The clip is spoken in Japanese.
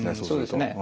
そうですね。